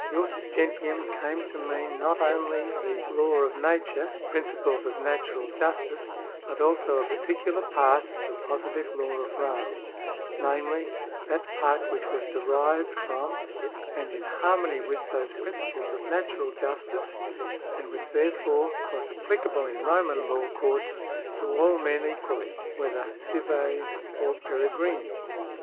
Jus gentium came to mean not only the law of nature — the principles of natural justice — but also a particular part of tlie positive law of Rome, namely, that part which was derived from and in harmony with those principles of natural justice, and which therefore was applicable in Roman law courts to all men equally, whether cives or pereqrini.